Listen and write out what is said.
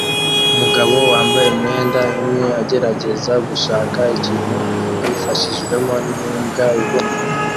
Umugabo wambaye imyenda imwe agerageza gushaka ikintu abifashijwemo nimbwa ihumura